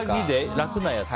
楽なやつ。